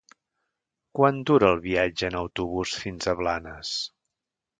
Quant dura el viatge en autobús fins a Blanes?